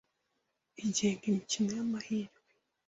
igenga imikino y’amahirwe